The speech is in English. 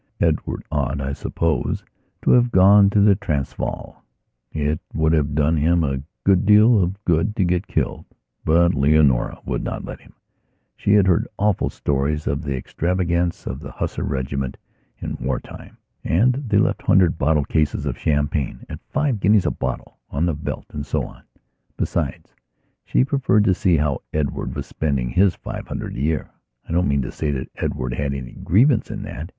Edward ought, I suppose, to have gone to the Transvaal. It would have done him a great deal of good to get killed. But Leonora would not let him; she had heard awful stories of the extravagance of the hussar regiment in war timehow they left hundred bottle cases of champagne, at five guineas a bottle, on the veldt and so on. Besides, she preferred to see how Edward was spending his five hundred a year. I don't mean to say that Edward had any grievance in that.